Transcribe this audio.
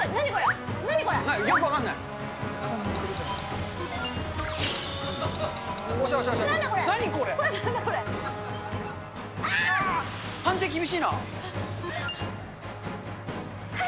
よく分かんない。